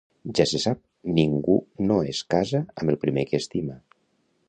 Ja se sap: ningú no es casa amb el primer que estima.